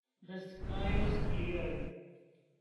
The sky was clear.